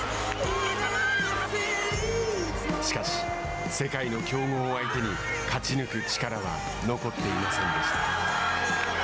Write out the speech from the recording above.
しかし、世界の強豪を相手に勝ち抜く力は残っていませんでした。